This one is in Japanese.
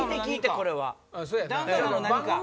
これは。